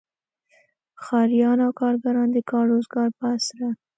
ښاریان او کارګران د کار روزګار په اسره.